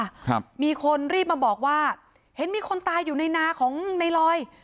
ครับมีคนรีบมาบอกว่าเห็นมีคนตายอยู่ในนาของในลอย